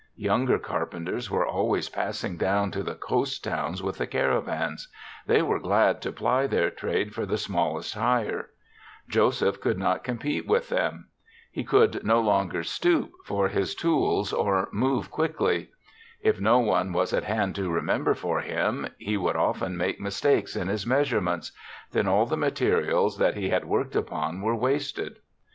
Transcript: Younger carpen ters were always passing down to the coast towns with the caravans; they were glad to ply their trade for the smallest hire. Joseph could not com pete with them. He could no longer 8 THE SEVENTH CHRISTMAS stoop for his tools or move quickly. If no one was at hand to remember for him, he would often make mis takes in his measurements; then all the materials that he had worked upon were wasted.